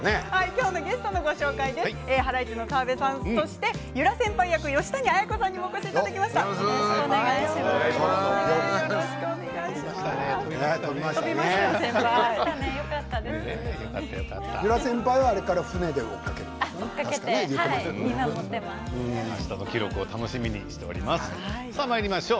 今日のゲストはハライチの澤部さん由良先輩役、吉谷彩子さんにお越しいただきました。